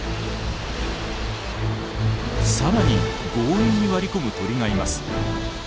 さらに強引に割り込む鳥がいます。